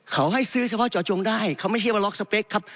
เขาให้ซื้อเฉพาะเจาะจงได้เขาไม่ใช่ว่าล็อกสเปคครับ